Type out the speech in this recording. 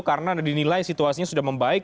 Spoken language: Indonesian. karena dinilai situasinya sudah membaik